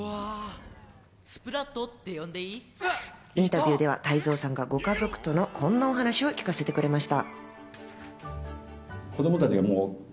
インタビューでは泰造さんがご家族との、こんなお話を聞かせてくれました。